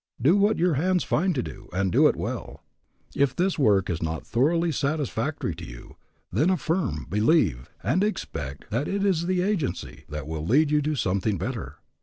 Do what your hands find to do, and do it well. If this work is not thoroughly satisfactory to you, then affirm, believe, and expect that it is the agency that will lead you to something better.